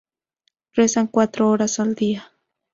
Rezan cuatro horas al día.